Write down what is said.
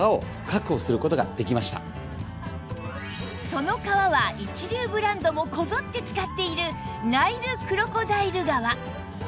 その革は一流ブランドもこぞって使っているナイルクロコダイル革